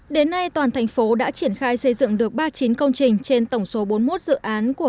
đến nay toàn thành phố đã triển khai xây dựng được ba mươi chín công trình trên tổng số bốn mươi một dự án của